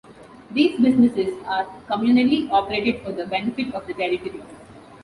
These businesses are communally operated for the benefit of the Territory.